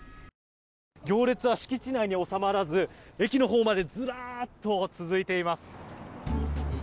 行列は敷地内に収まらず駅のほうまでズラッと続いています。